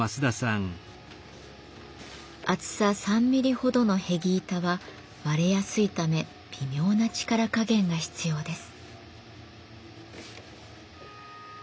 厚さ３ミリほどのへぎ板は割れやすいため微妙な力加減が必要です。